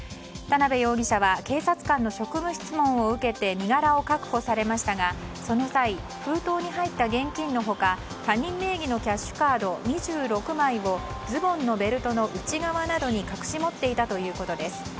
田辺容疑者は警察官の職務質問を受けて身柄を確保されましたが、その際封筒に入った現金の他他人名義のキャッシュカード２６枚をズボンのベルトの内側などに隠し持っていたということです。